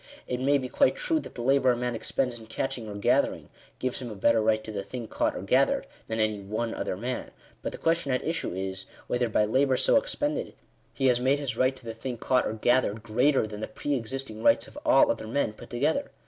It may be quite true that the labour a man expends in catching or gathering, gives him a better right to the thing caught or gathered, than any one other man; but the question at issue is, whether by labour so expended, he has made his right to the thing caught or gathered, greater than the pre existing rights of all other men put together.